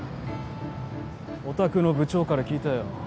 お宅の部長から聞いたよ。